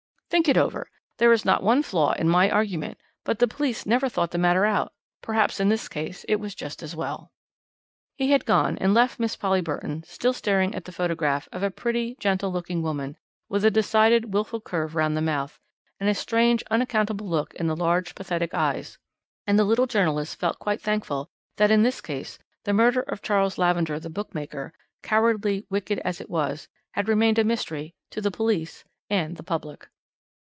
"Think it over. There is not one flaw in my argument, but the police never thought the matter out perhaps in this case it was as well." He had gone and left Miss Polly Burton still staring at the photograph of a pretty, gentle looking woman, with a decided, wilful curve round the mouth, and a strange, unaccountable look in the large pathetic eyes; and the little journalist felt quite thankful that in this case the murder of Charles Lavender the bookmaker cowardly, wicked as it was had remained a mystery to the police and the public.